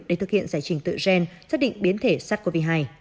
để thực hiện giải trình tự gen xác định biến thể sars cov hai